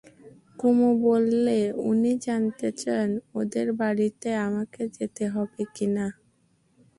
কুমু বললে, উনি জানতে চান, ওঁদের বাড়িতে আমাকে যেতে হবে কি না।